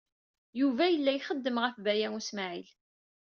Yuba yella ixeddem ɣef Baya U Smaɛil.